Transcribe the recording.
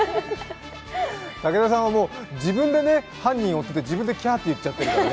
武田さんは自分で犯人を追ってて自分できゃーって言ってましたからね。